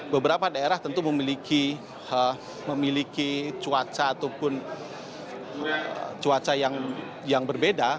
beberapa daerah tentu memiliki cuaca ataupun cuaca yang berbeda